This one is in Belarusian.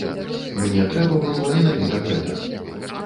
Мне трэба было менавіта гэта.